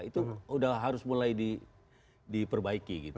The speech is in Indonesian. itu udah harus mulai diperbaiki gitu